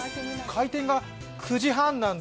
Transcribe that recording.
開店が９時半なんで。